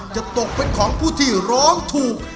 จะตกเป็นของผู้ที่ร้องถูก